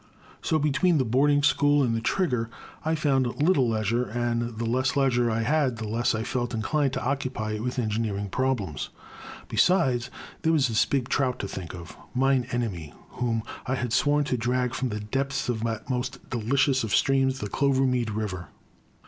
So between the boarding school and the Trig ger I found little leisure, and the less leisure I had the less I felt inclined to occupy it with engi neering problems. Besides, there was the big trout to think of. Mine Enemy, whom I had sworn to drag from the depths of that most deli cious of streams, the Clovermead River.